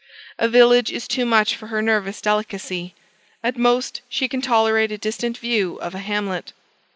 A village is too much for her nervous delicacy: at most, she can tolerate a distant view of a hamlet.